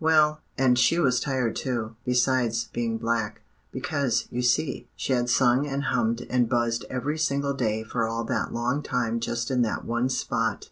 "Well, and she was tired too, besides being black; because, you see, she had sung and hummed and buzzed every single day for all that long time just in that one spot.